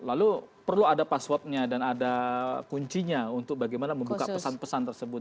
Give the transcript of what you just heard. lalu perlu ada passwordnya dan ada kuncinya untuk bagaimana membuka pesan pesan tersebut